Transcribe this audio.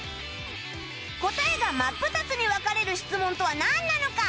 答えが真っ二つに分かれる質問とはなんなのか？